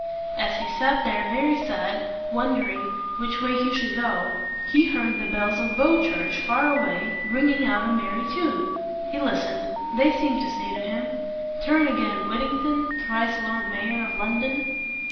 As he sat there very sad, and wondering which way he should go, he heard the bells on Bow Church, far away, ringing out a merry chime. He listened. They seemed to say to him, "Turn again, Whittington, Thrice Lord Mayor of London."